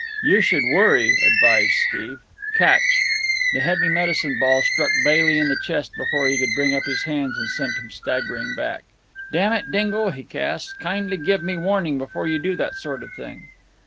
"You should worry!" advised Steve. "Catch!" The heavy medicine ball struck Bailey in the chest before he could bring up his hands and sent him staggering back. "Damn it, Dingle," he gasped. "Kindly give me warning before you do that sort of thing."